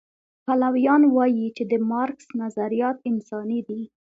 پلویان وایي چې د مارکس نظریات انساني دي.